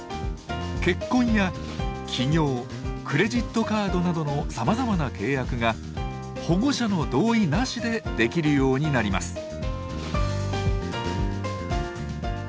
結婚や起業クレジットカードなどのさまざまな契約が保護者の同意なしでできるようになります。